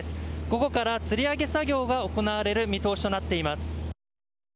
午後からつり上げ作業が行われる見通しとなっています。